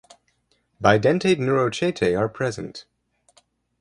Bidentate neurochaetae are present